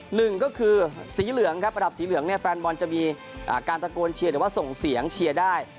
หนึ่งก็คือสีเหลืองครับระดับสีเหลืองเนี่ยแฟนบอลจะมีการตะโกนเชียร์หรือว่าส่งเสียงเชียร์ได้